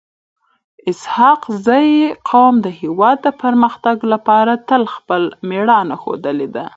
اسحق زي قوم د هیواد د پرمختګ لپاره تل خپل میړانه ښودلي ده.